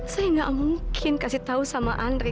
saya gak mungkin kasih tau sama andri